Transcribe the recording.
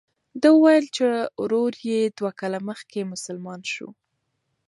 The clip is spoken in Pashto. ده وویل چې ورور یې دوه کاله مخکې مسلمان شو.